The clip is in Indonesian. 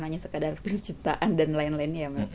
hanya sekadar penciptaan dan lain lainnya